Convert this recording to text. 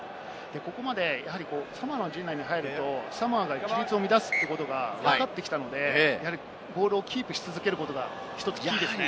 ここまでサモアの陣内に入るとサモアが規律を乱すということがわかってきたので、ボールをキープし続けることが１つキーですね。